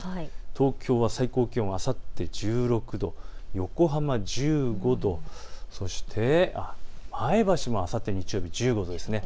東京は最高気温、あさって１６度、横浜１５度、そして前橋もあさって日曜日１５度ですね。